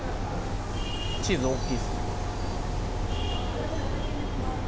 チーズ大きいですね。